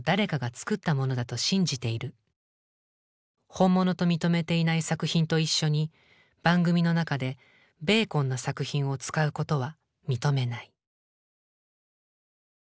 「本物と認めていない作品と一緒に番組の中でベーコンの作品を使うことは認めない」。